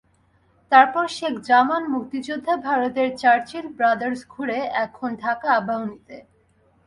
তারপর শেখ জামাল, মুক্তিযোদ্ধা, ভারতের চার্চিল ব্রাদার্স ঘুরে এখন ঢাকা আবাহনীতে।